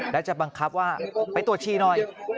แล้วจะบังคับว่าไปตรวจชีหน่อย